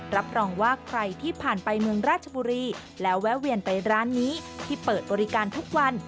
รับรองว่าใครที่ผ่านไปเมืองราชบุรีแล้วแวะเวียนไปร้านนี้ที่เปิดบริการทุกวัน